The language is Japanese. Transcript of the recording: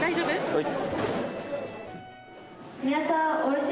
はい。